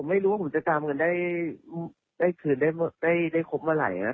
ไม่รู้ว่าผมจะตามกันได้คืนได้ครบเมื่อไหร่นะ